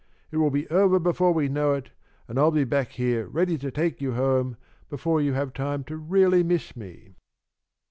It will be over before we know it, and I'll be back here ready to take you home before you have time to really miss me."